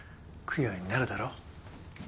供養になるだろ。